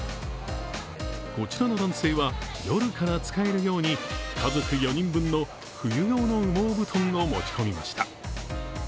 こちらの男性は夜から使えるように家族４人分の冬用の羽毛布団を持ち込みました。